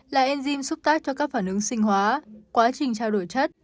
là enzym xúc tác cho các phản ứng sinh hóa quá trình trao đổi chất